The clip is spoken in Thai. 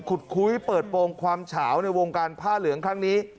คุ้ยเปิดโปรงความเฉาในวงการผ้าเหลืองครั้งนี้